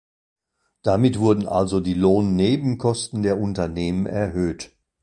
Damit wurden also die Lohnnebenkosten der Unternehmen erhöht.